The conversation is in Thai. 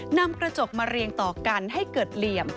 นำกระจกมาเรียงต่อกันให้เกิดเหลี่ยม